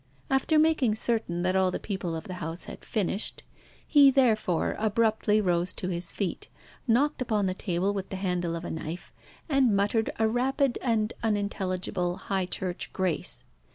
After making certain that all the people of the house had finished, he, therefore, abruptly rose to his feet, knocked upon the table with the handle of a knife, and muttered a rapid and unintelligible High Church grace.